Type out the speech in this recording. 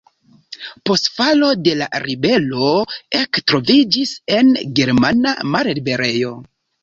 Post falo de la ribelo ektroviĝis en germana malliberejo.